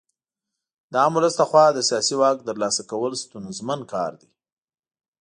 د عام ولس لخوا د سیاسي واک ترلاسه کول ستونزمن کار دی.